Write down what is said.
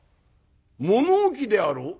物置であろう？」。